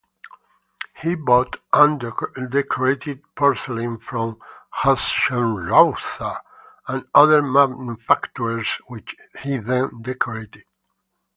He bought undecorated porcelain from Hutschenreuther and other manufacturers which he then decorated.